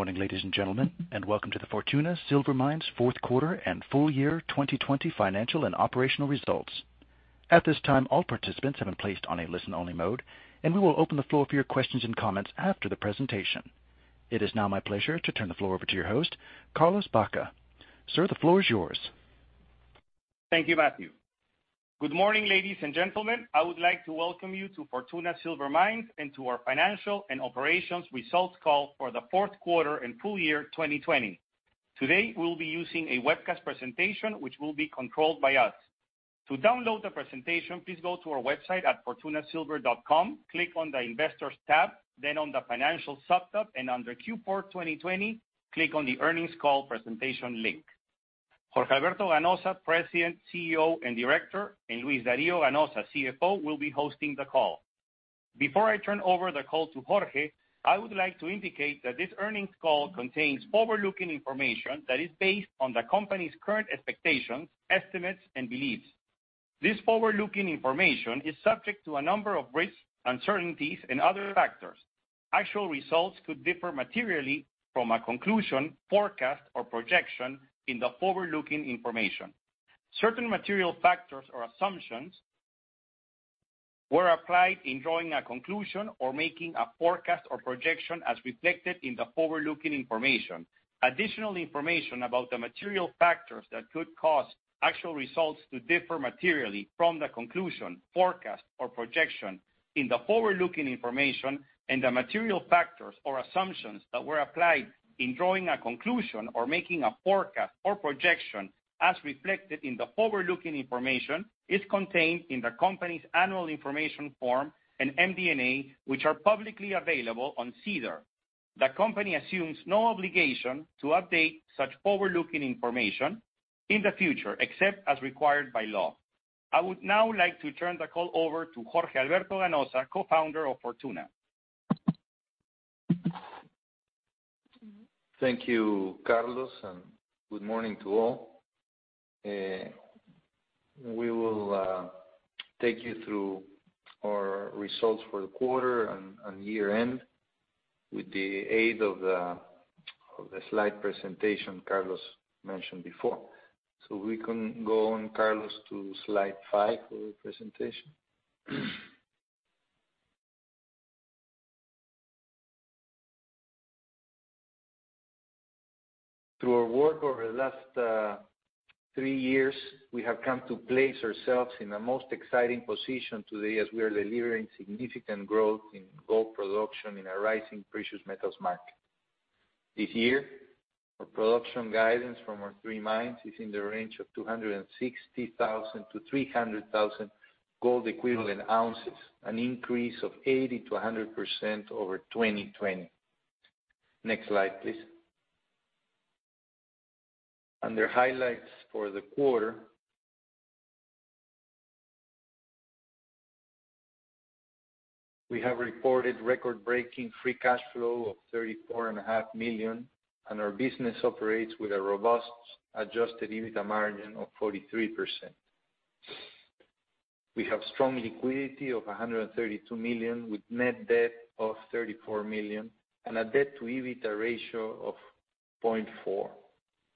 Good morning, ladies and gentlemen, and welcome to the Fortuna Silver Mines Fourth Quarter and Full Year 2020 Financial and Operational Results. At this time, all participants have been placed on a listen-only mode, and we will open the floor for your questions and comments after the presentation. It is now my pleasure to turn the floor over to your host, Carlos Baca. Sir, the floor is yours. Thank you, Matthew. Good morning, ladies and gentlemen. I would like to welcome you to Fortuna Silver Mines and to our Financial and Operations Results Call for the Fourth Quarter and Full Year 2020. Today, we'll be using a webcast presentation, which will be controlled by us. To download the presentation, please go to our website at fortunasilver.com, click on the Investors tab, then on the Financials subtab, and under Q4 2020, click on the Earnings Call Presentation link. Jorge Alberto Ganoza, President, CEO, and Director, and Luis Dario Ganoza, CFO, will be hosting the call. Before I turn over the call to Jorge, I would like to indicate that this earnings call contains forward-looking information that is based on the company's current expectations, estimates, and beliefs. This forward-looking information is subject to a number of risks, uncertainties, and other factors. Actual results could differ materially from a conclusion, forecast, or projection in the forward-looking information. Certain material factors or assumptions were applied in drawing a conclusion or making a forecast or projection as reflected in the forward-looking information. Additional information about the material factors that could cause actual results to differ materially from the conclusion, forecast, or projection in the forward-looking information, and the material factors or assumptions that were applied in drawing a conclusion or making a forecast or projection as reflected in the forward-looking information, is contained in the company's annual information form and MD&A, which are publicly available on SEDAR. The company assumes no obligation to update such forward-looking information in the future, except as required by law. I would now like to turn the call over to Jorge Alberto Ganoza, Co-Founder of Fortuna. Thank you, Carlos, and good morning to all. We will take you through our results for the quarter and year-end with the aid of the slide presentation Carlos mentioned before. So we can go on, Carlos, to slide five of the presentation. Through our work over the last three years, we have come to place ourselves in the most exciting position today as we are delivering significant growth in gold production in a rising precious metals market. This year, our production guidance from our three mines is in the range of 260,000 to 300,000 gold-equivalent ounces, an increase of 80%-100% over 2020. Next slide, please. Under highlights for the quarter, we have reported record-breaking free cash flow of $34.5 million, and our business operates with a robust adjusted EBITDA margin of 43%. We have strong liquidity of $132 million, with net debt of $34 million and a debt-to-EBITDA ratio of 0.4.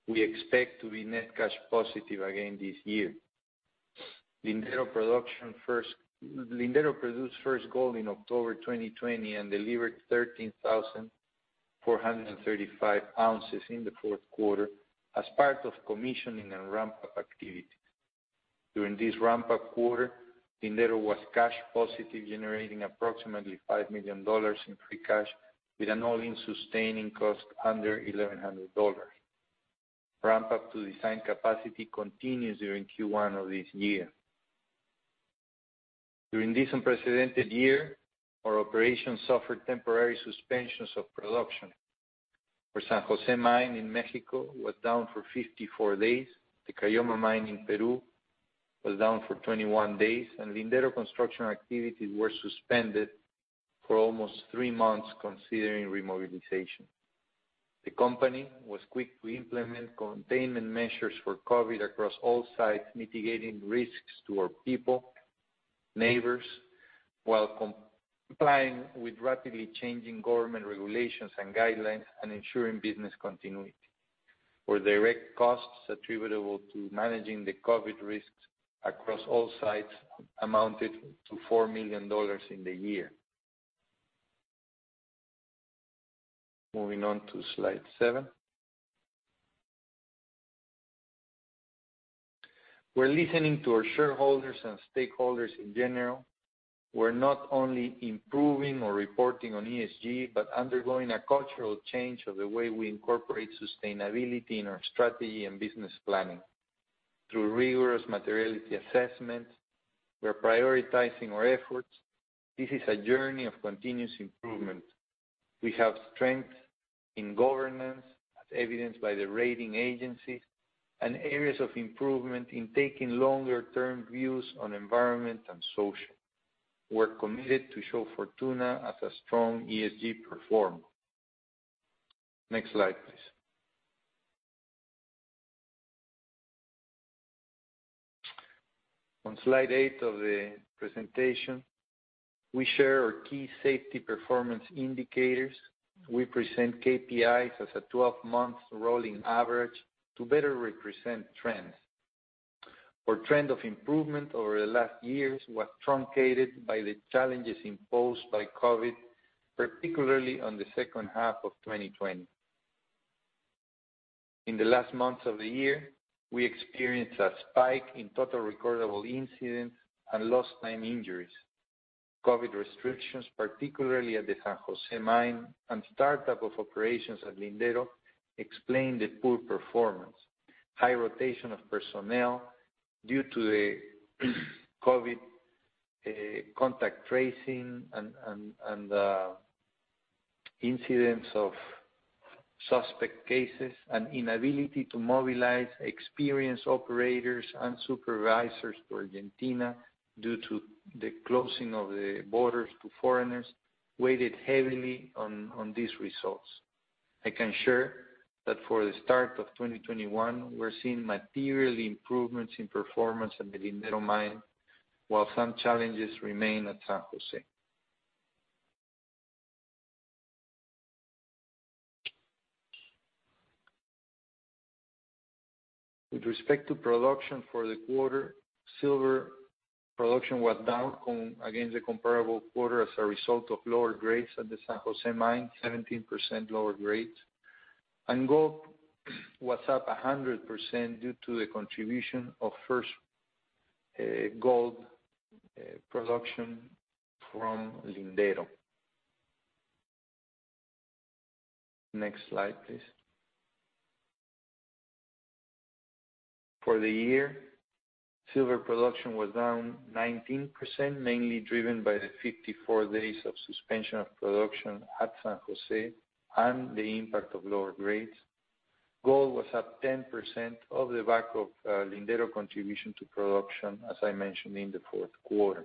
We expect to be net cash positive again this year. Lindero produced first gold in October 2020 and delivered 13,435 oz in the fourth quarter as part of commissioning and ramp-up activities. During this ramp-up quarter, Lindero was cash positive, generating approximately $5 million in free cash, with an all-in sustaining cost under $1,100. Ramp-up to design capacity continues during Q1 of this year. During this unprecedented year, our operations suffered temporary suspensions of production. Our San Jose mine in Mexico was down for 54 days, the Caylloma mine in Peru was down for 21 days, and Lindero construction activities were suspended for almost three months, considering remobilization. The company was quick to implement containment measures for COVID across all sites, mitigating risks to our people, neighbors, while complying with rapidly changing government regulations and guidelines and ensuring business continuity. Our direct costs attributable to managing the COVID risks across all sites amounted to $4 million in the year. Moving on to slide seven. We're listening to our shareholders and stakeholders in general. We're not only improving or reporting on ESG, but undergoing a cultural change of the way we incorporate sustainability in our strategy and business planning. Through rigorous materiality assessment, we're prioritizing our efforts. This is a journey of continuous improvement. We have strength in governance, as evidenced by the rating agencies, and areas of improvement in taking longer-term views on environment and social. We're committed to show Fortuna as a strong ESG performer. Next slide, please. On slide eight of the presentation, we share our key safety performance indicators. We present KPIs as a 12-month rolling average to better represent trends. Our trend of improvement over the last years was truncated by the challenges imposed by COVID, particularly in the second half of 2020. In the last months of the year, we experienced a spike in total recordable incidents and lost-time injuries. COVID restrictions, particularly at the San Jose mine and startup of operations at Lindero, explained the poor performance. High rotation of personnel due to the COVID contact tracing and incidents of suspect cases, and inability to mobilize experienced operators and supervisors to Argentina due to the closing of the borders to foreigners, weighed heavily on these results. I can share that for the start of 2021, we're seeing material improvements in performance at the Lindero mine, while some challenges remain at San Jose. With respect to production for the quarter, silver production was down against the comparable quarter as a result of lower grades at the San Jose mine, 17% lower grades. And gold was up 100% due to the contribution of first gold production from Lindero. Next slide, please. For the year, silver production was down 19%, mainly driven by the 54 days of suspension of production at San Jose and the impact of lower grades. Gold was up 10% on the back of Lindero contribution to production, as I mentioned in the fourth quarter.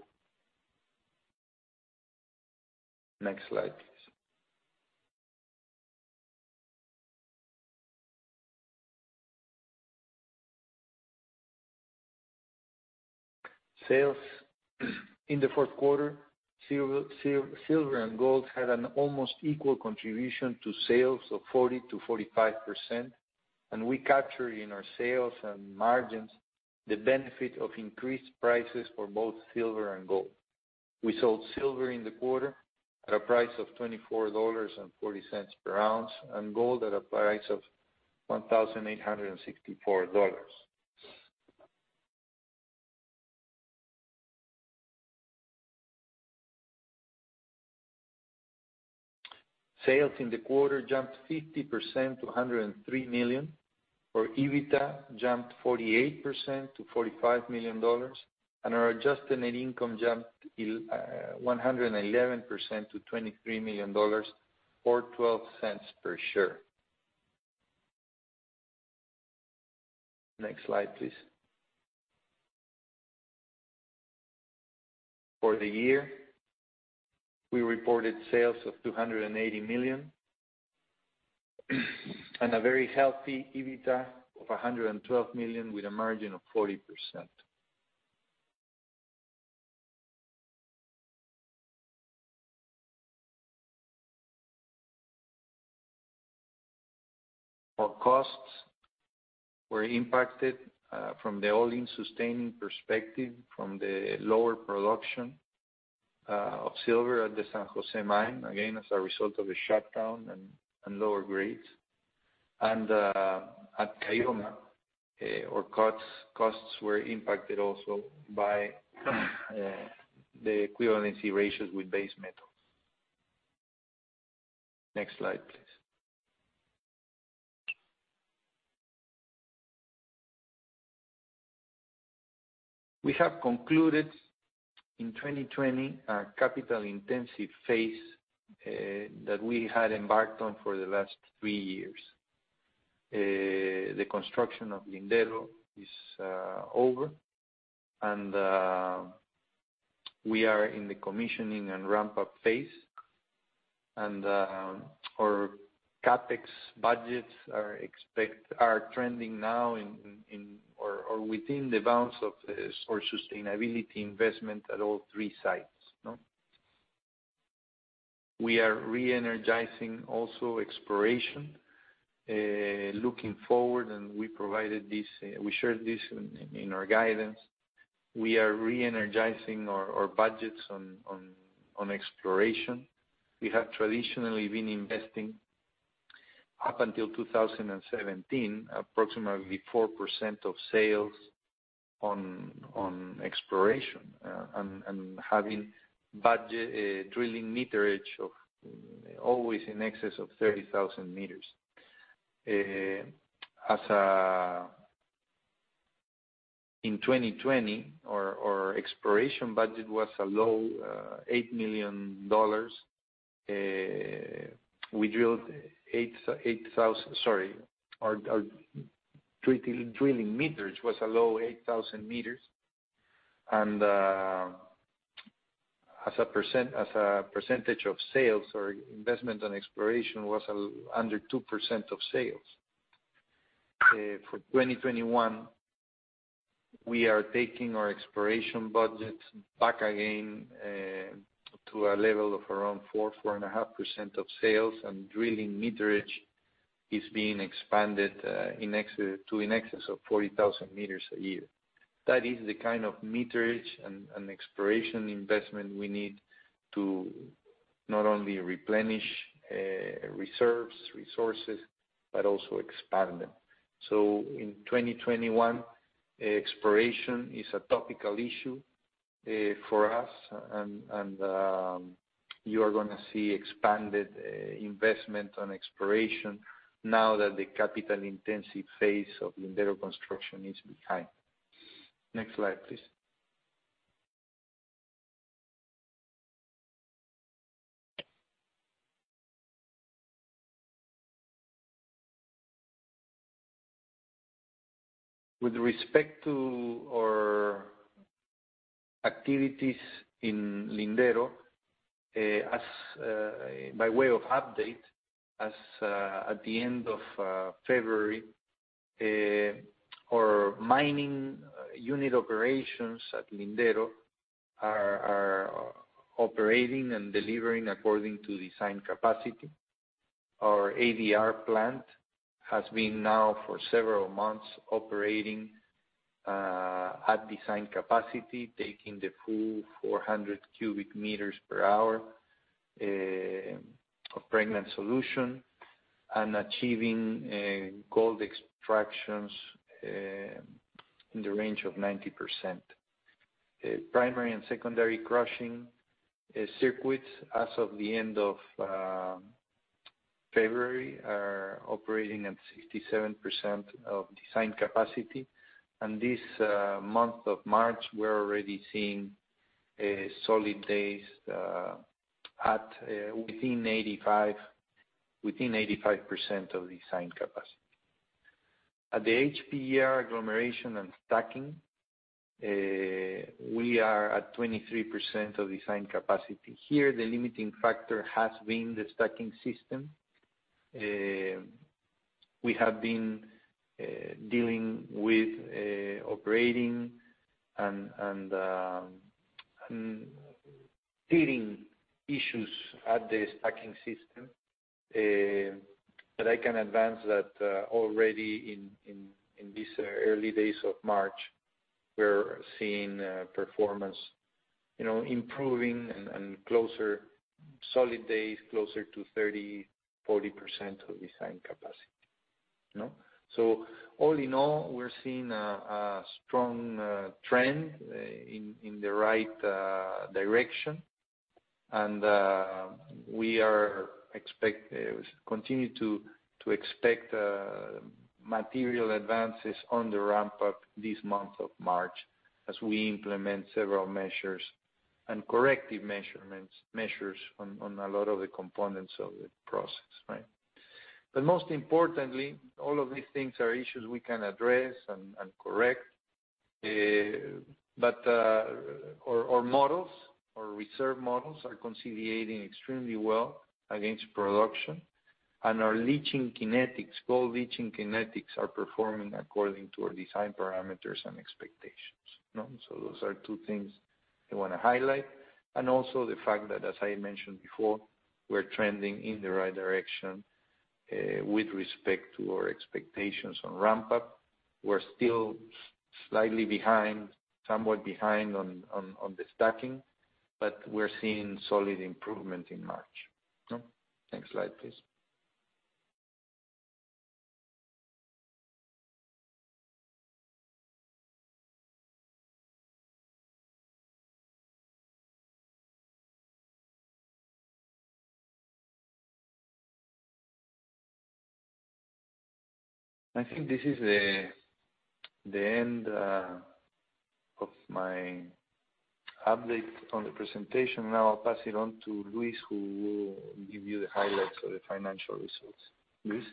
Next slide, please. Sales. In the fourth quarter, silver and gold had an almost equal contribution to sales of 40%-45%, and we captured in our sales and margins the benefit of increased prices for both silver and gold. We sold silver in the quarter at a price of $24.40 per ounce and gold at a price of $1,864. Sales in the quarter jumped 50% to $103 million. Our EBITDA jumped 48% to $45 million, and our adjusted net income jumped 111% to $23 million, or $0.12 per share. Next slide, please. For the year, we reported sales of $280 million and a very healthy EBITDA of $112 million with a margin of 40%. Our costs were impacted from the all-in sustaining perspective from the lower production of silver at the San Jose mine, again as a result of the shutdown and lower grades. And at Caylloma, our costs were impacted also by the equivalency ratios with base metals. Next slide, please. We have concluded in 2020 a capital-intensive phase that we had embarked on for the last three years. The construction of Lindero is over, and we are in the commissioning and ramp-up phase, and our CapEx budgets are trending now or within the bounds of our sustainability investment at all three sites. We are re-energizing also exploration, looking forward, and we provided this. We shared this in our guidance. We are re-energizing our budgets on exploration. We have traditionally been investing, up until 2017, approximately 4% of sales on exploration and having drilling meterage of always in excess of 30,000 meters. In 2020, our exploration budget was a low $8 million. We drilled 8,000. Sorry, our drilling meterage was a low 8,000 meters, and as a percentage of sales, our investment on exploration was under 2% of sales. For 2021, we are taking our exploration budgets back again to a level of around 4%-4.5% of sales, and drilling meterage is being expanded to an excess of 40,000 meters a year. That is the kind of meterage and exploration investment we need to not only replenish reserves, resources, but also expand them. So in 2021, exploration is a topical issue for us, and you are going to see expanded investment on exploration now that the capital-intensive phase of Lindero construction is behind. Next slide, please. With respect to our activities in Lindero, by way of update, as at the end of February, our mining unit operations at Lindero are operating and delivering according to design capacity. Our ADR plant has been now for several months operating at design capacity, taking the full 400 cubic meters per hour of pregnant solution and achieving gold extractions in the range of 90%. Primary and secondary crushing circuits, as of the end of February, are operating at 67% of design capacity, and this month of March, we're already seeing solid days within 85% of design capacity. At the HPGR agglomeration and stacking, we are at 23% of design capacity. Here, the limiting factor has been the stacking system. We have been dealing with operating and clearing issues at the stacking system, but I can advance that already in these early days of March, we're seeing performance improving and solid days, closer to 30%-40% of design capacity. So all in all, we're seeing a strong trend in the right direction, and we continue to expect material advances on the ramp-up this month of March as we implement several measures and corrective measures on a lot of the components of the process, right? But most importantly, all of these things are issues we can address and correct. But our models, our reserve models, are reconciling extremely well against production and our leaching kinetics, gold leaching kinetics, are performing according to our design parameters and expectations. So those are two things I want to highlight. And also the fact that, as I mentioned before, we're trending in the right direction with respect to our expectations on ramp-up. We're still slightly behind, somewhat behind on the stacking, but we're seeing solid improvement in March. Next slide, please. I think this is the end of my update on the presentation. Now I'll pass it on to Luis, who will give you the highlights of the financial results. Luis?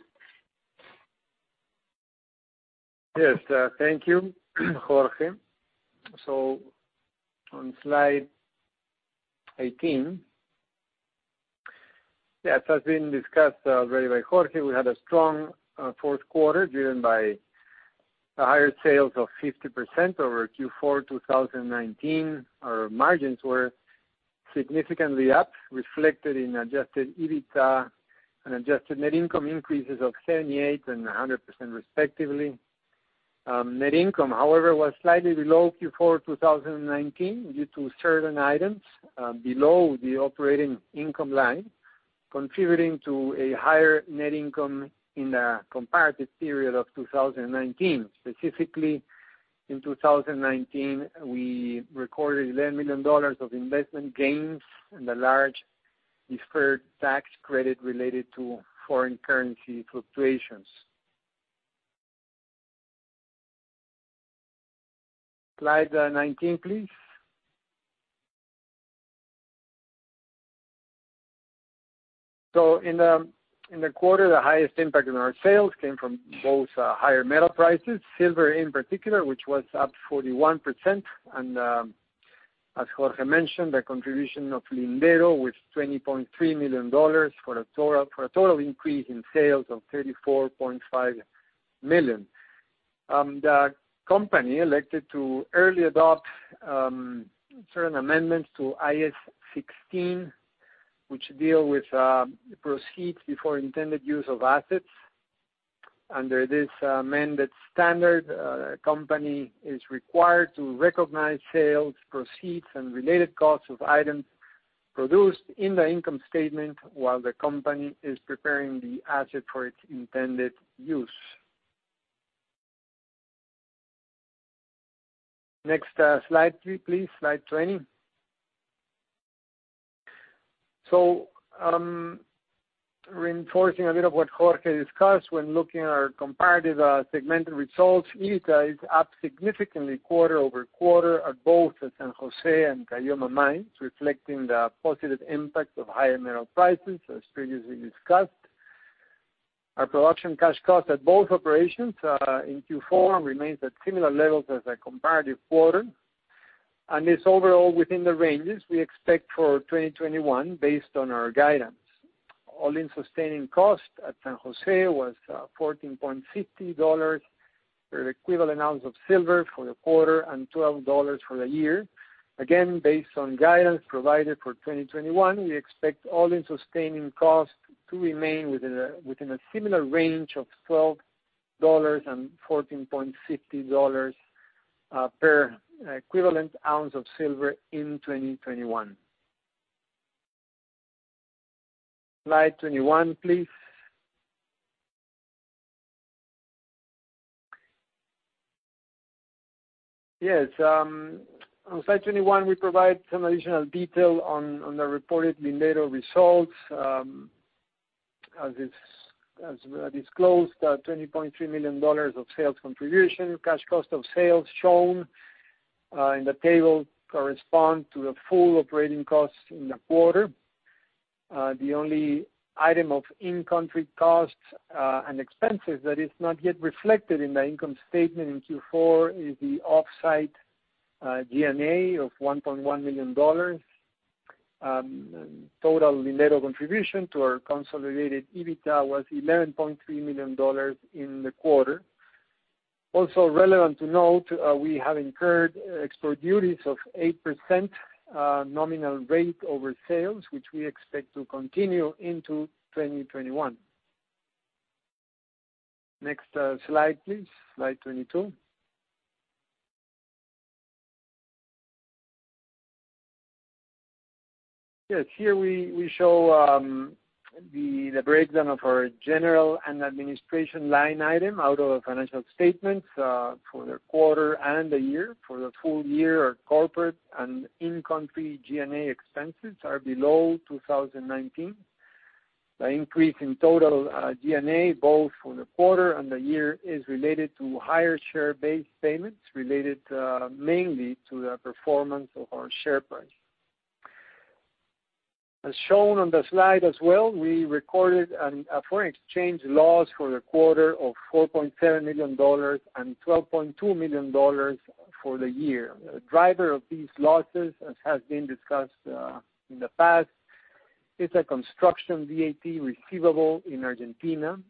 Yes. Thank you, Jorge. So on slide 18, as has been discussed already by Jorge, we had a strong fourth quarter driven by higher sales of 50% over Q4 2019. Our margins were significantly up, reflected in adjusted EBITDA and adjusted net income increases of 78% and 100% respectively. Net income, however, was slightly below Q4 2019 due to certain items below the operating income line, contributing to a higher net income in the comparative period of 2019. Specifically, in 2019, we recorded $11 million of investment gains and a large deferred tax credit related to foreign currency fluctuations. Slide 19, please. So in the quarter, the highest impact on our sales came from both higher metal prices, silver in particular, which was up 41%. As Jorge mentioned, the contribution of Lindero was $20.3 million for a total increase in sales of $34.5 million. The company elected to early adopt certain amendments to IAS 16, which deal with proceeds before intended use of assets. Under this amended standard, the company is required to recognize sales, proceeds, and related costs of items produced in the income statement while the company is preparing the asset for its intended use. Next slide, please. Slide 20. Reinforcing a bit of what Jorge discussed, when looking at our comparative segmented results, EBITDA is up significantly quarter over quarter at both the San Jose and Caylloma mines, reflecting the positive impact of higher metal prices, as previously discussed. Our production cash cost at both operations in Q4 remains at similar levels as the comparative quarter, and is overall within the ranges we expect for 2021 based on our guidance. All-in sustaining cost at San Jose was $14.50 per equivalent ounce of silver for the quarter and $12 for the year. Again, based on guidance provided for 2021, we expect all-in sustaining cost to remain within a similar range of $12-$14.50 per equivalent ounce of silver in 2021. Slide 21, please. Yes. On slide 21, we provide some additional detail on the reported Lindero results. As disclosed, $20.3 million of sales contribution, cash cost of sales shown in the table corresponds to the full operating costs in the quarter. The only item of in-country costs and expenses that is not yet reflected in the income statement in Q4 is the offsite G&A of $1.1 million. Total Lindero contribution to our consolidated EBITDA was $11.3 million in the quarter. Also relevant to note, we have incurred export duties of 8% nominal rate over sales, which we expect to continue into 2021. Next slide, please. Slide 22. Yes. Here we show the breakdown of our general and administrative line item out of the financial statements for the quarter and the year. For the full year, our corporate and in-country G&A expenses are below 2019. The increase in total G&A, both for the quarter and the year, is related to higher share-based payments related mainly to the performance of our share price. As shown on the slide as well, we recorded a foreign exchange loss for the quarter of $4.7 million and $12.2 million for the year. The driver of these losses, as has been discussed in the past, is a construction VAT receivable in Argentina.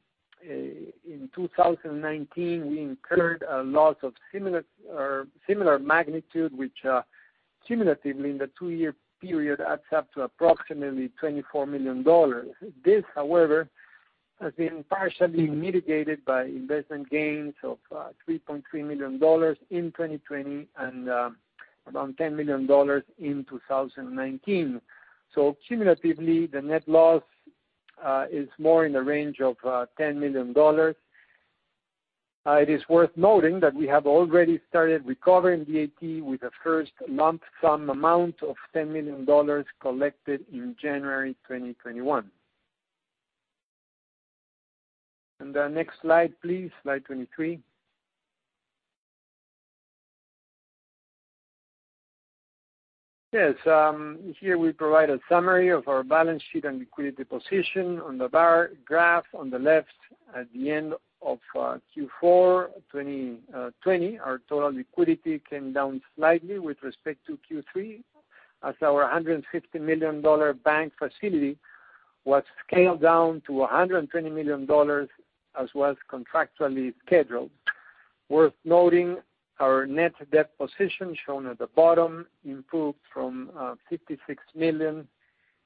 In 2019, we incurred a loss of similar magnitude, which cumulatively in the two-year period adds up to approximately $24 million. This, however, has been partially mitigated by investment gains of $3.3 million in 2020 and around $10 million in 2019. So cumulatively, the net loss is more in the range of $10 million. It is worth noting that we have already started recovering VAT with the first lump sum amount of $10 million collected in January 2021. And the next slide, please. Slide 23. Yes. Here we provide a summary of our balance sheet and liquidity position on the bar graph on the left. At the end of Q4 2020, our total liquidity came down slightly with respect to Q3, as our $150 million bank facility was scaled down to $120 million, as was contractually scheduled. Worth noting, our net debt position shown at the bottom improved from $56 million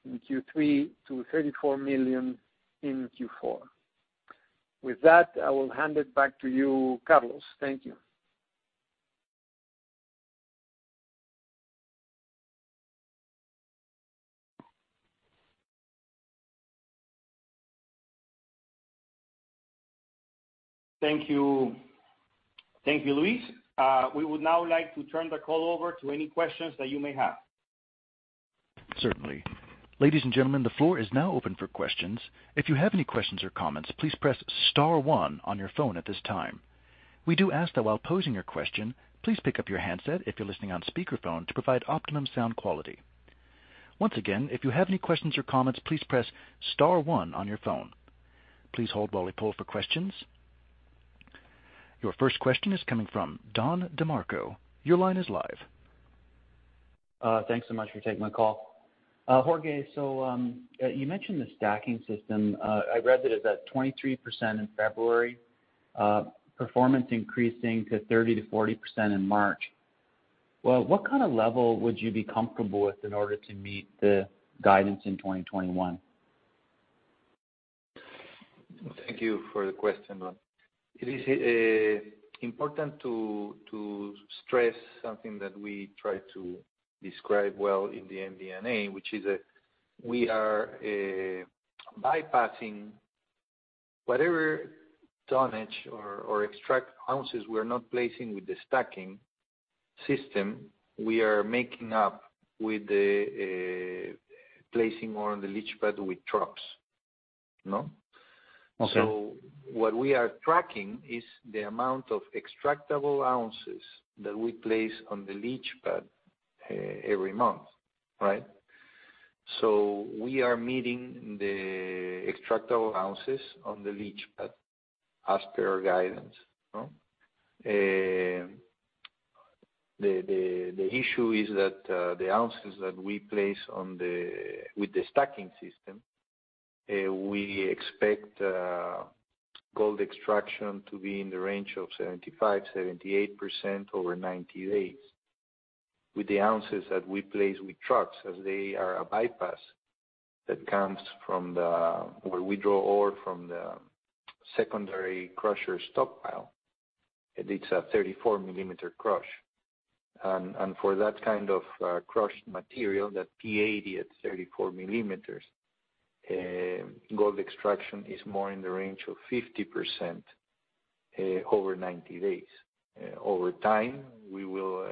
in Q3 to $34 million in Q4. With that, I will hand it back to you, Carlos. Thank you. Thank you. Thank you, Luis. We would now like to turn the call over to any questions that you may have. Certainly. Ladies and gentlemen, the floor is now open for questions. If you have any questions or comments, please press Star One on your phone at this time. We do ask that while posing your question, please pick up your handset if you're listening on speakerphone to provide optimum sound quality. Once again, if you have any questions or comments, please press Star 1 on your phone. Please hold while we poll for questions. Your first question is coming from Don DeMarco. Your line is live. Thanks so much for taking the call. Jorge, so you mentioned the stacking system. I read that it was at 23% in February, performance increasing to 30%-40% in March. What kind of level would you be comfortable with in order to meet the guidance in 2021? Thank you for the question, Don. It is important to stress something that we try to describe well in the MD&A, which is that we are bypassing whatever tonnage or extract ounces we are not placing with the stacking system. We are making up with the placing on the leach pad with trucks. So what we are tracking is the amount of extractable ounces that we place on the leach pad every month, right? So we are meeting the extractable ounces on the leach pad as per our guidance. The issue is that the ounces that we place with the stacking system, we expect gold extraction to be in the range of 75%-78% over 90 days with the ounces that we place with trucks as they are a bypass that comes from where we draw ore from the secondary crusher stockpile. It's a 34-millimeter crush, and for that kind of crushed material that pad at 34 mm, gold extraction is more in the range of 50% over 90 days. Over time, we will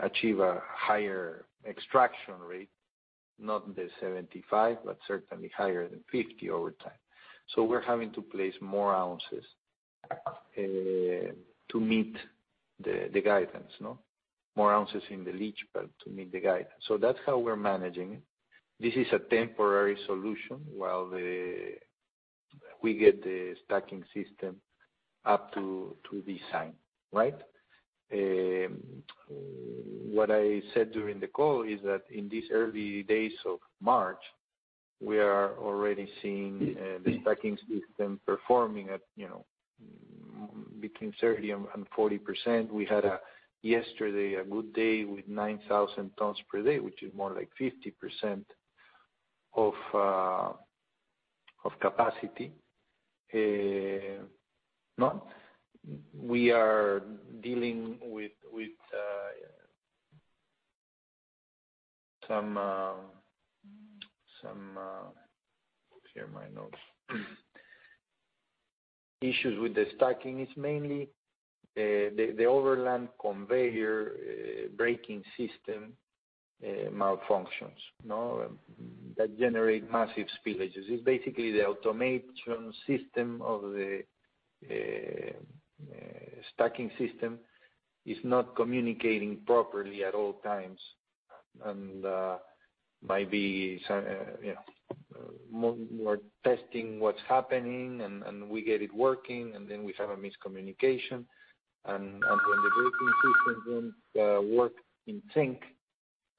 achieve a higher extraction rate, not the 75, but certainly higher than 50% over time. So we're having to place more ounces to meet the guidance, more ounces in the leach pad to meet the guidance. So that's how we're managing it. This is a temporary solution while we get the stacking system up to design, right? What I said during the call is that in these early days of March, we are already seeing the stacking system performing at between 30% and 40%. We had yesterday a good day with 9,000 tons per day, which is more like 50% of capacity. We are dealing with some, let's hear my notes, issues with the stacking. It's mainly the overland conveyor braking system malfunctions that generate massive spillages. It's basically the automation system of the stacking system is not communicating properly at all times and might be testing what's happening, and we get it working, and then we have a miscommunication. And when the braking system doesn't work in sync,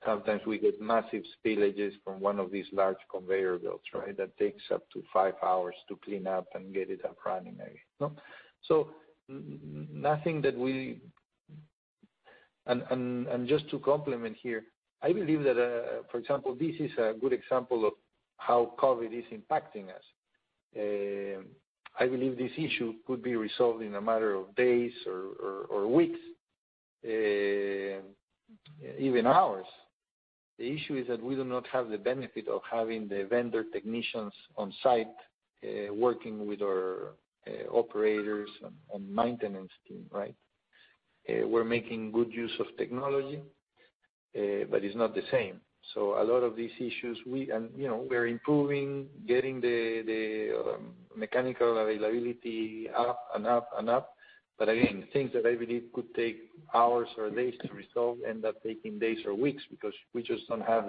sometimes we get massive spillages from one of these large conveyor belts, right, that takes up to five hours to clean up and get it up running. Just to complement here, I believe that, for example, this is a good example of how COVID is impacting us. I believe this issue could be resolved in a matter of days or weeks, even hours. The issue is that we do not have the benefit of having the vendor technicians on site working with our operators and maintenance team, right? We're making good use of technology, but it's not the same. A lot of these issues, we're improving, getting the mechanical availability up and up and up. But again, things that I believe could take hours or days to resolve end up taking days or weeks because we just don't have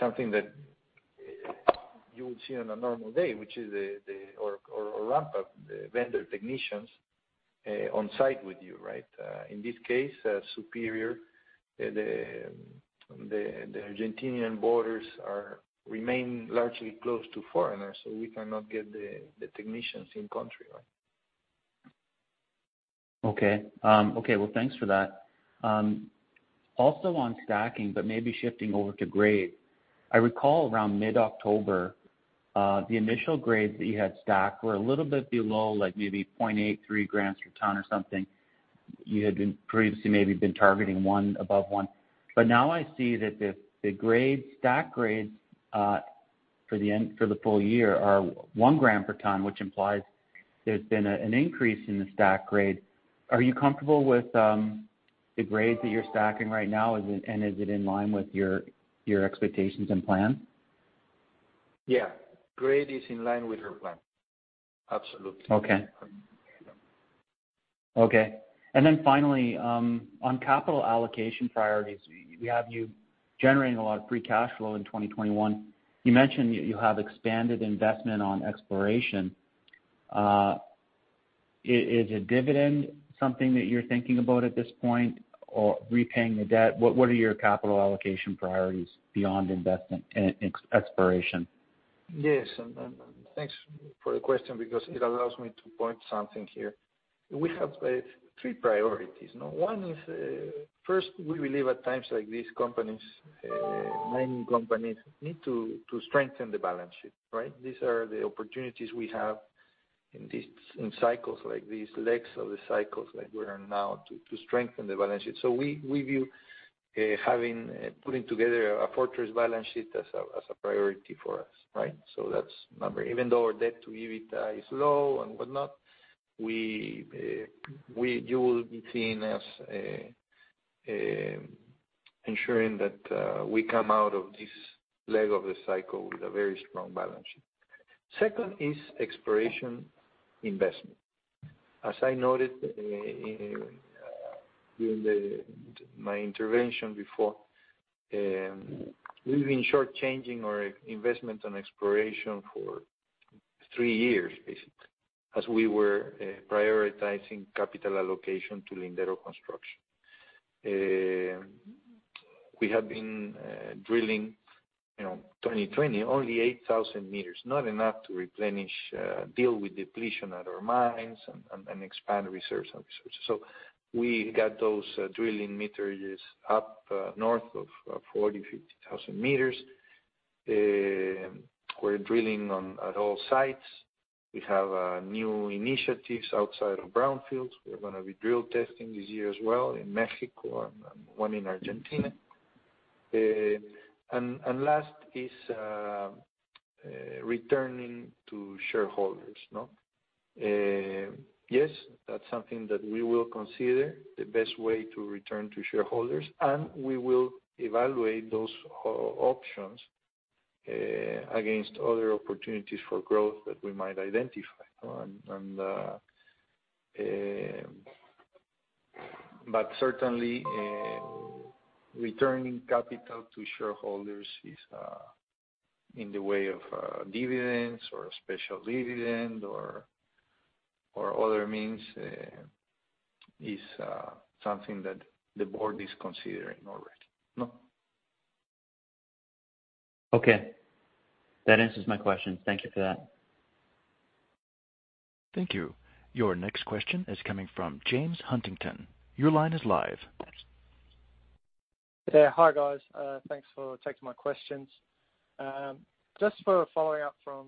something that you would see on a normal day, which is ramp up the vendor technicians on site with you, right? In this case, Superior, the Argentine borders remain largely closed to foreigners, so we cannot get the technicians in country, right? Okay. Okay. Well, thanks for that. Also on stacking, but maybe shifting over to grade, I recall around mid-October, the initial grades that you had stacked were a little bit below maybe 0.83 grams per ton or something. You had previously maybe been targeting one above one. But now I see that the stack grades for the full year are one gram per ton, which implies there's been an increase in the stack grade. Are you comfortable with the grade that you're stacking right now, and is it in line with your expectations and plan? Yeah. Grade is in line with our plan. Absolutely. Okay. Okay. And then finally, on capital allocation priorities, we have you generating a lot of free cash flow in 2021. You mentioned you have expanded investment on exploration. Is a dividend something that you're thinking about at this point or repaying the debt? What are your capital allocation priorities beyond investment and exploration? Yes. And thanks for the question because it allows me to point something here. We have three priorities. One is, first, we believe at times like these, companies, mining companies need to strengthen the balance sheet, right? These are the opportunities we have in cycles like these, legs of the cycles like we are now to strengthen the balance sheet. So we view putting together a fortress balance sheet as a priority for us, right? So that's number. Even though our debt to EBITDA is low and whatnot, you will be seeing us ensuring that we come out of this leg of the cycle with a very strong balance sheet. Second is exploration investment. As I noted during my intervention before, we've been shortchanging our investment on exploration for three years, basically, as we were prioritizing capital allocation to Lindero construction. We have been drilling in 2020, only 8,000 meters, not enough to replenish, deal with depletion at our mines, and expand reserves and resources, so we got those drilling meters up north of 40-50 thousand meters. We're drilling at all sites. We have new initiatives outside of brownfields. We're going to be drill testing this year as well in Mexico and one in Argentina, and last is returning to shareholders. Yes, that's something that we will consider, the best way to return to shareholders, and we will evaluate those options against other opportunities for growth that we might identify. But certainly, returning capital to shareholders in the way of dividends or a special dividend or other means is something that the board is considering already. Okay. That answers my questions. Thank you for that. Thank you. Your next question is coming from James Huntington. Your line is live. Hi, guys. Thanks for taking my questions. Just for following up from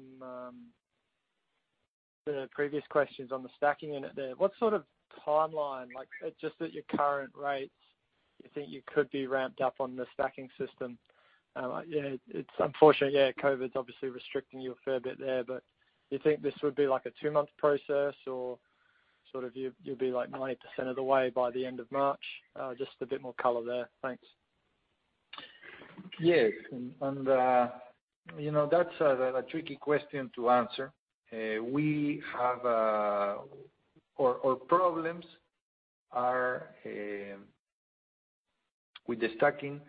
the previous questions on the stacking, what sort of timeline, just at your current rates, you think you could be ramped up on the stacking system? It's unfortunate, yeah, COVID's obviously restricting you a fair bit there, but do you think this would be a two-month process or sort of you'll be 90% of the way by the end of March? Just a bit more color there. Thanks. Yes, and that's a tricky question to answer. Our problems with the stacking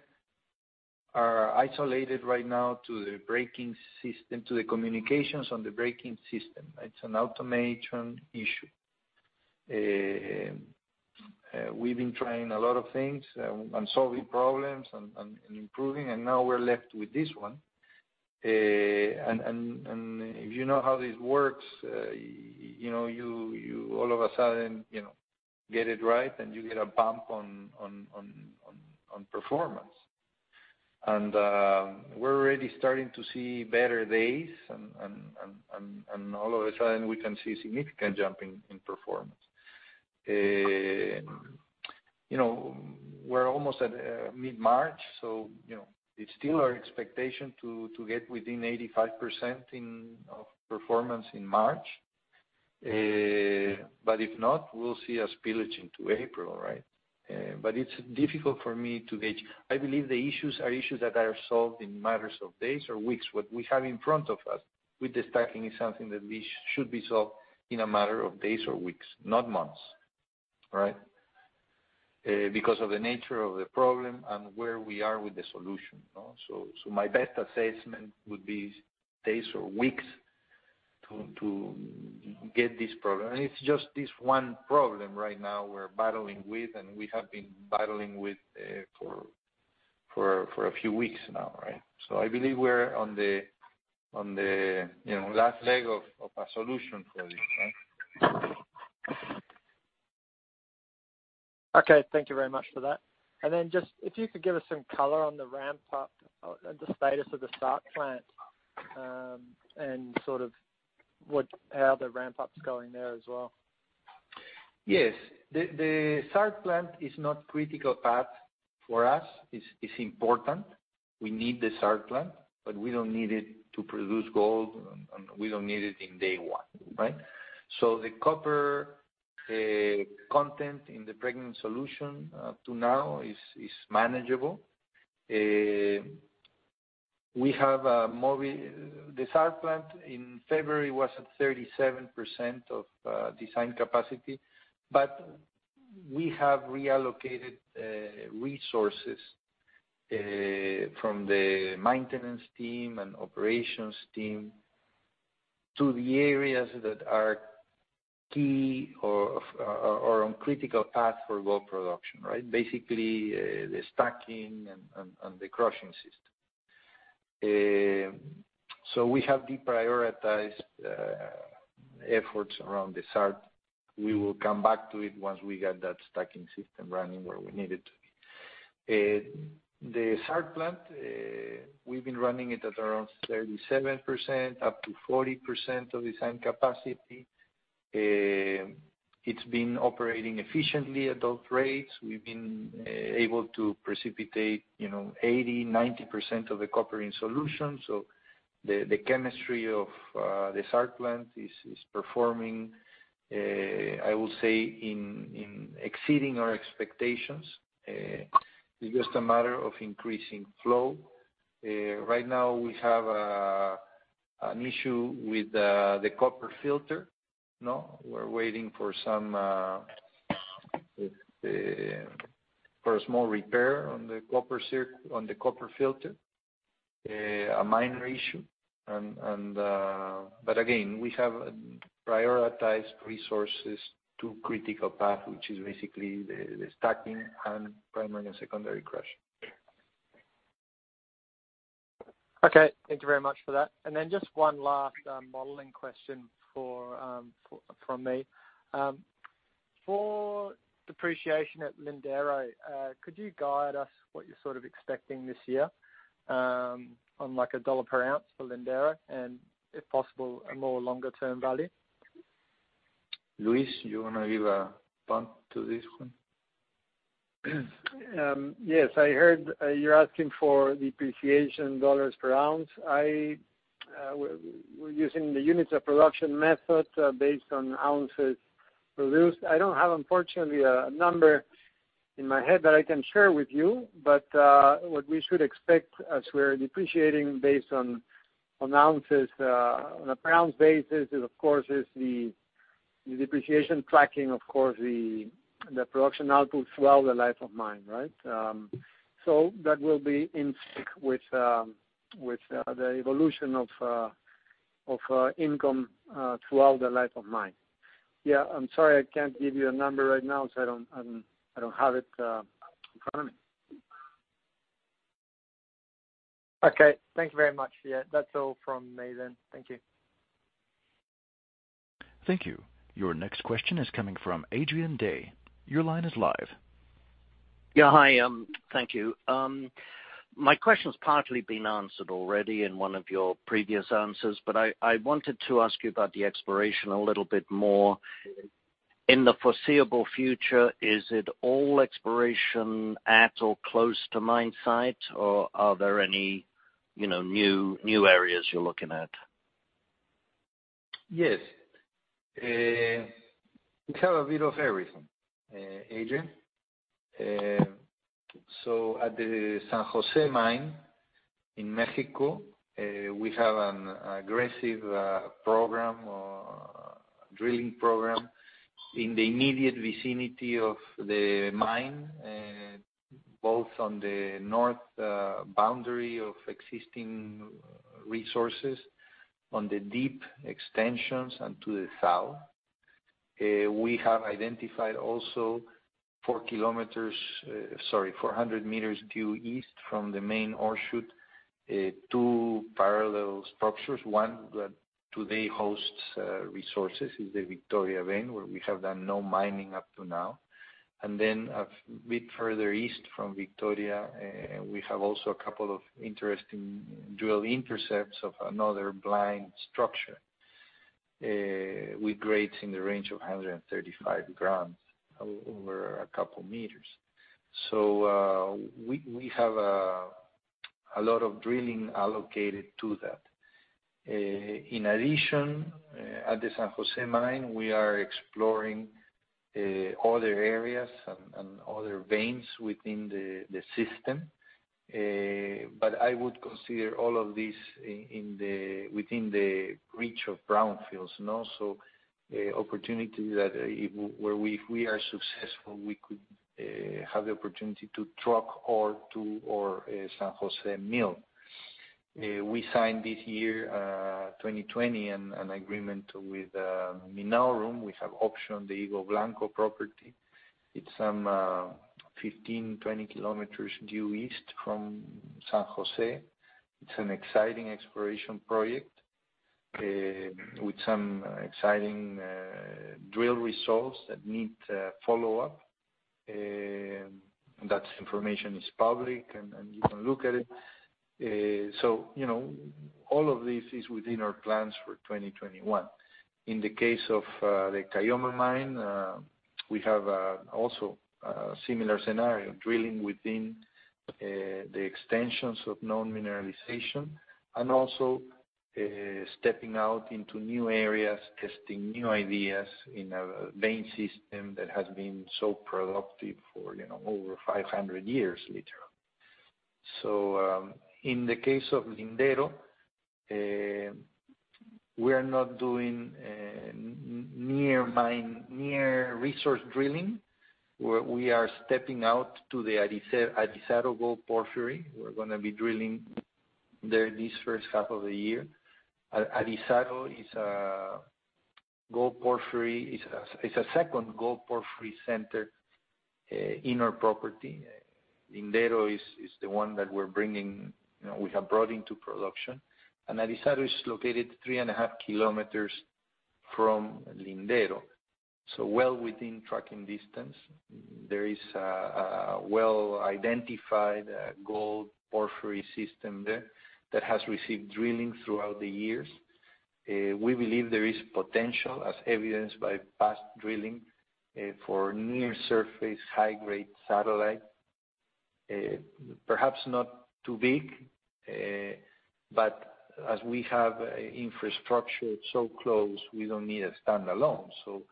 are isolated right now to the braking system, to the communications on the braking system. It's an automation issue. We've been trying a lot of things and solving problems and improving, and now we're left with this one, and if you know how this works, you all of a sudden get it right, and you get a bump on performance. We're already starting to see better days, and all of a sudden, we can see a significant jump in performance. We're almost at mid-March, so it's still our expectation to get within 85% of performance in March, but if not, we'll see a spillage into April, right, but it's difficult for me to gauge. I believe the issues are issues that are solved in matters of days or weeks. What we have in front of us with the stacking is something that should be solved in a matter of days or weeks, not months, right, because of the nature of the problem and where we are with the solution. So my best assessment would be days or weeks to get this problem. And it's just this one problem right now we're battling with, and we have been battling with for a few weeks now, right? So I believe we're on the last leg of a solution for this, right? Okay. Thank you very much for that. And then just if you could give us some color on the ramp up and the status of the SART plant and sort of how the ramp up's going there as well. Yes. The SART plant is not critical path for us. It's important. We need the SART plant, but we don't need it to produce gold, and we don't need it on day one, right? So the copper content in the pregnant solution up to now is manageable. We have a way. The SART plant in February was at 37% of design capacity, but we have reallocated resources from the maintenance team and operations team to the areas that are key or on critical path for gold production, right? Basically, the stacking and the crushing system. So we have deprioritized efforts around the SART. We will come back to it once we get that stacking system running where we need it to be. The SART plant, we've been running it at around 37%-40% of design capacity. It's been operating efficiently at those rates. We've been able to precipitate 80%-90% of the copper in solution. The chemistry of the SART plant is performing, I will say, exceeding our expectations. It's just a matter of increasing flow. Right now, we have an issue with the copper filter. We're waiting for some small repair on the copper filter, a minor issue. But again, we have prioritized resources to critical path, which is basically the stacking and primary and secondary crushing. Okay. Thank you very much for that. And then just one last modeling question from me. For depreciation at Lindero, could you guide us what you're sort of expecting this year on a $1 per ounce for Lindero and, if possible, a more longer-term value? Luis, you want to give a bump to this one? Yes. I heard you're asking for depreciation $ per ounce. We're using the units of production method based on ounces produced. I don't have, unfortunately, a number in my head that I can share with you, but what we should expect as we're depreciating based on ounces on a per ounce basis is, of course, the depreciation tracking, of course, the production output throughout the life of mine, right? So that will be in sync with the evolution of income throughout the life of mine. Yeah. I'm sorry I can't give you a number right now because I don't have it in front of me. Okay. Thank you very much. Yeah. That's all from me then. Thank you. Thank you. Your next question is coming from Adrian Day. Your line is live. Yeah. Hi. Thank you. My question's partly been answered already in one of your previous answers, but I wanted to ask you about the exploration a little bit more. In the foreseeable future, is it all exploration at or close to mine site, or are there any new areas you're looking at? Yes. We have a bit of everything, Adrian, so at the San Jose mine in Mexico, we have an aggressive program, drilling program in the immediate vicinity of the mine, both on the north boundary of existing resources, on the deep extensions and to the south. We have identified also four kilometers, sorry, 400 meters due east from the main orchard, two parallel structures. One that today hosts resources is the Victoria Vein, where we have done no mining up to now, and then a bit further east from Victoria, we have also a couple of interesting drill intercepts of another blind structure with grades in the range of 135 grams over a couple of meters, so we have a lot of drilling allocated to that. In addition, at the San Jose mine, we are exploring other areas and other veins within the system. But I would consider all of these within the reach of brownfields. So opportunity that if we are successful, we could have the opportunity to truck ore to our San Jose mill. We signed this year, 2020, an agreement with Minaurum. We have option on the Higo Blanco property. It's some 15-20 kilometers due east from San Jose. It's an exciting exploration project with some exciting drill results that need follow-up. That information is public, and you can look at it. So all of this is within our plans for 2021. In the case of the Caylloma mine, we have also a similar scenario, drilling within the extensions of known mineralization and also stepping out into new areas, testing new ideas in a vein system that has been so productive for over 500 years, literally, so in the case of Lindero, we are not doing near resource drilling. We are stepping out to the Arizaro Gold Porphyry. We're going to be drilling there this first half of the year. Arizaro is a gold porphyry. It's a second gold porphyry center in our property. Lindero is the one that we're bringing, we have brought into production, and Arizaro is located three and a half kilometers from Lindero, so well within tracking distance. There is a well-identified gold porphyry system there that has received drilling throughout the years. We believe there is potential, as evidenced by past drilling, for near-surface high-grade satellite. Perhaps not too big, but as we have infrastructure so close, we don't need a standalone. So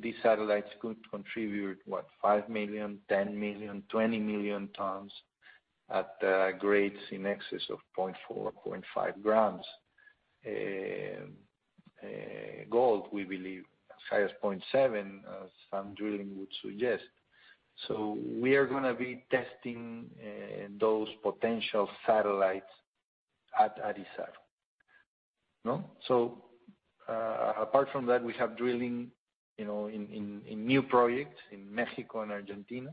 these satellites could contribute, what, 5 million, 10 million, 20 million tons at grades in excess of 0.4, 0.5 g gold, we believe, as high as 0.7, as some drilling would suggest. So we are going to be testing those potential satellites at Arizaro. So apart from that, we have drilling in new projects in Mexico and Argentina.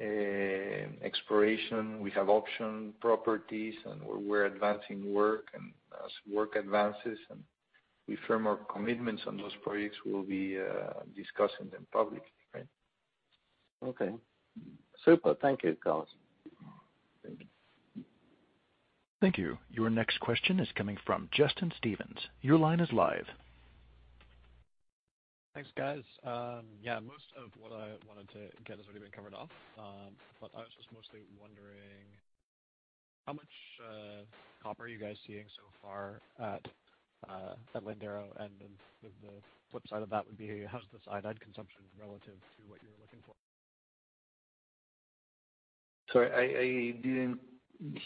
Exploration, we have option properties, and we're advancing work. And as work advances and we firm our commitments on those projects, we'll be discussing them publicly, right? Okay. Super. Thank you, guys. Thank you. Thank you. Your next question is coming from Justin Stevens. Your line is live. Thanks, guys. Yeah. Most of what I wanted to get has already been covered off, but I was just mostly wondering how much copper are you guys seeing so far at Lindero? And the flip side of that would be, how's the cyanide consumption relative to what you were looking for? Sorry. I didn't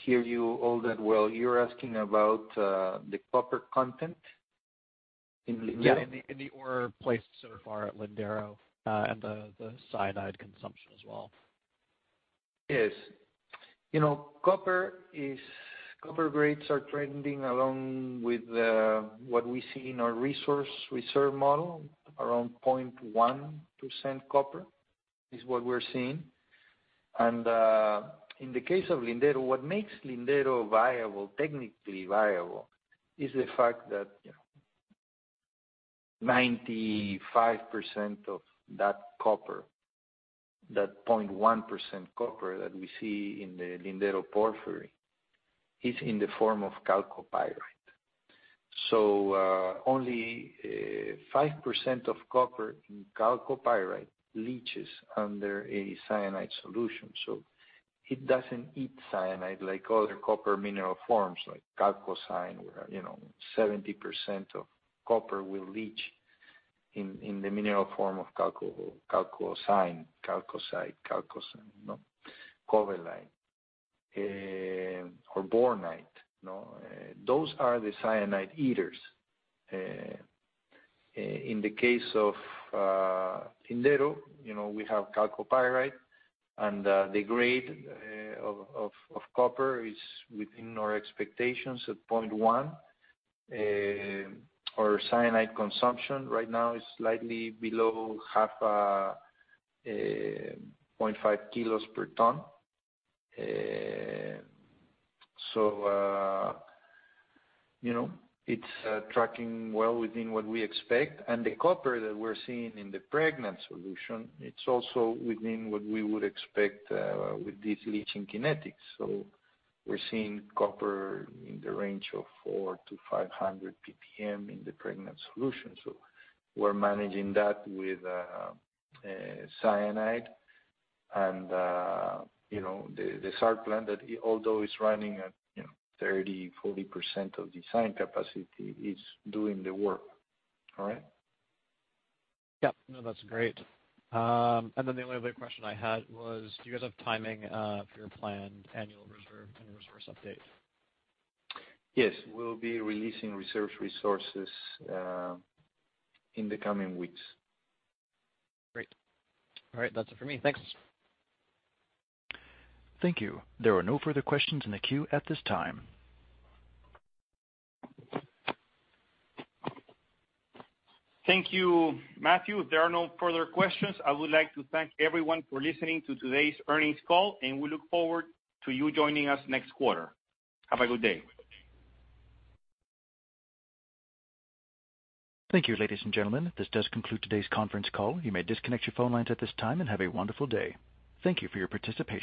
hear you all that well. You're asking about the copper content in Lindero? Yeah. In the ore placed so far at Lindero and the cyanide consumption as well. Yes. Copper grades are trending along with what we see in our resource reserve model, around 0.1% copper is what we're seeing. And in the case of Lindero, what makes Lindero viable, technically viable, is the fact that 95% of that copper, that 0.1% copper that we see in the Lindero porphyry, is in the form of chalcopyrite. So only 5% of copper in chalcopyrite leaches under a cyanide solution. It doesn't eat cyanide like other copper mineral forms like, where 70% of copper will leach in the mineral form of chalcocine,, chalcocite, covellite, or bornite. Those are the cyanide eaters. In the case of Lindero, we have chalcopyrite, and the grade of copper is within our expectations at 0.1. Our cyanide consumption right now is slightly below half 0.5 kilos per ton. It's tracking well within what we expect. The copper that we're seeing in the pregnant solution, it's also within what we would expect with these leaching kinetics. We're seeing copper in the range of four to 500 ppm in the pregnant solution. We're managing that with cyanide. The SART plant, although it's running at 30%-40% of design capacity, is doing the work, all right? Yep. No, that's great. And then the only other question I had was, do you guys have timing for your planned annual reserve and resource update? Yes. We'll be releasing reserves resources in the coming weeks. Great. All right. That's it for me. Thanks. Thank you. There are no further questions in the queue at this time. Thank you, Matthew. If there are no further questions, I would like to thank everyone for listening to today's earnings call, and we look forward to you joining us next quarter. Have a good day. Thank you, ladies and gentlemen. This does conclude today's conference call. You may disconnect your phone lines at this time and have a wonderful day. Thank you for your participation.